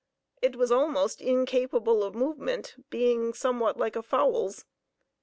It was almost incapable of movement, being somewhat like a fowl's.